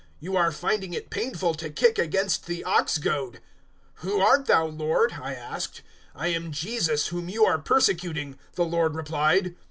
You are finding it painful to kick against the ox goad.' 026:015 "`Who art Thou, Lord?' I asked. "`I am Jesus whom you are persecuting,' the Lord replied.